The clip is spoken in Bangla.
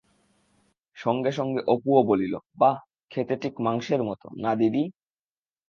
সঙ্গে সঙ্গে অপুও বলিল, বাঃ খেতে ঠিক মাংসের মতো, না দিদি?